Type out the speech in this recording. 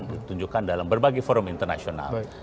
ditunjukkan dalam berbagai forum internasional